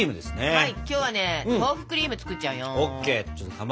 はい！